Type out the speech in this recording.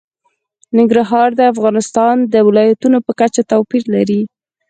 ننګرهار د افغانستان د ولایاتو په کچه توپیر لري.